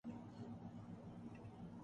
censor board نے film درج پر پابندی عائد کر دی